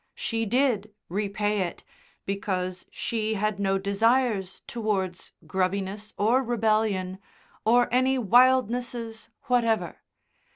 She did repay it, because she had no desires towards grubbiness or rebellion, or any wildnesses whatever.